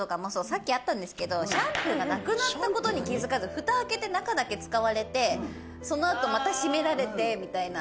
さっきあったんですけどシャンプーがなくなった事に気づかずフタを開けて中だけ使われてそのあとまた閉められてみたいな。